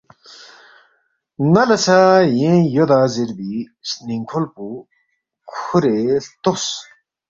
ن٘ا لہ سہ یینگ یودا زیربی سنِنگ کھول پو، کھورے ہلتوس